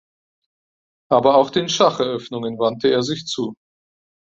Aber auch den Schacheröffnungen wandte er sich zu.